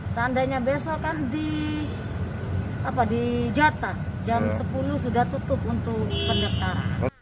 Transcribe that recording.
seandainya besok kan di jatah jam sepuluh sudah tutup untuk pendekatan